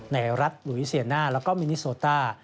ในรัฐหลุยเซียน่าแล้วก็มินิโซต้า